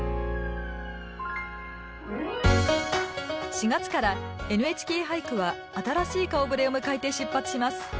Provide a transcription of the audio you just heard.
４月から「ＮＨＫ俳句」は新しい顔ぶれを迎えて出発します。